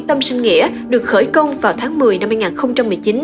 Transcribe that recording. tâm sinh nghĩa được khởi công vào tháng một mươi năm hai nghìn một mươi chín